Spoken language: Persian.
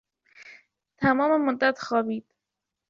تمام مدت خوابید.